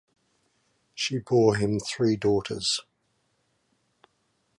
She bore him three daughters.